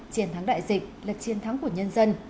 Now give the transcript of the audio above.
chiến thắng đại dịch là chiến thắng của nhân dân